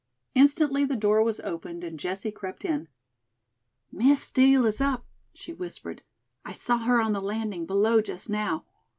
Instantly the door was opened and Jessie crept in. "Miss Steel is up," she whispered. "I saw her on the landing below just now.